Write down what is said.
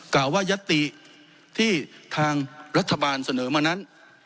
กล่าวว่ายัตติที่ทางรัฐบาลเสนอมานั้น